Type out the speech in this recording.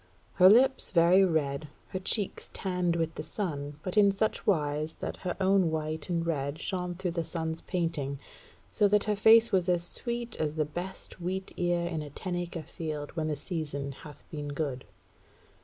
Her lips very red; her cheeks tanned with the sun, but in such wise that her own white and red shone through the sun's painting, so that her face was as sweet as the best wheat ear in a ten acre field when the season hath been good.